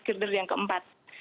gilder yang keempat